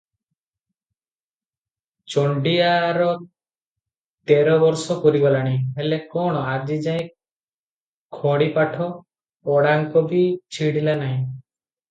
ଚଣ୍ଡିଆର ତେର ବର୍ଷ ପୂରିଗଲାଣି, ହେଲେ କଣ, ଆଜିଯାଏ ଖଡ଼ିପାଠ ଓଡ଼ାଙ୍କ ବି ଛିଡ଼ିଲା ନାହିଁ ।